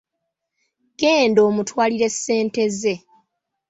Genda omutwalire ssente ze.